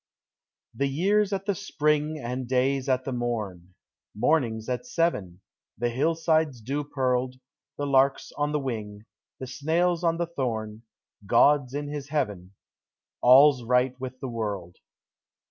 The year's at the spring And day's at the morn; Morning's at seven; The hillside's dew pearled; The lark's on the wing; The snail's on the thorn; God's in his heaven All's right with the world.